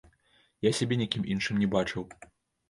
Я сябе нікім іншым не бачыў.